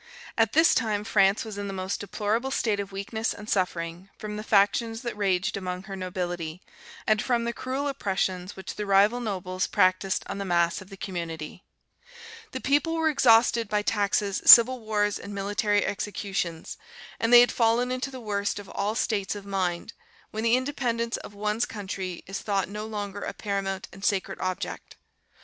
At this time France was in the most deplorable state of weakness and suffering, from the factions that raged among her nobility, and from the cruel oppressions which the rival nobles practised on the mass of the community. "The people were exhausted by taxes, civil wars, and military executions; and they had fallen into that worst of all states of mind, when the independence of one's country is thought no longer a paramount and sacred object.